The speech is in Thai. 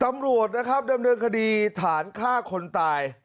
ตำรวจนะครับเบิ่มเริ่มคดีฐานฆ่าคนตาย